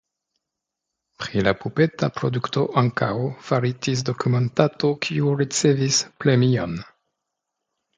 Pri la pupeta produkto ankaŭ faritis dokumentato kiu ricevis premion.